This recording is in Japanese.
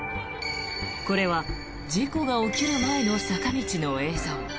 これは事故が起きる前の坂道の映像。